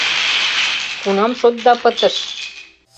Кунам шотда пытыш?